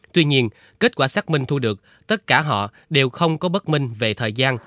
tuy nhiên kết quả xác minh thu được tất cả họ đều không có bất minh về thời gian